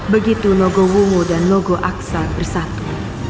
begitu naga ugo dan naga aksa bersatu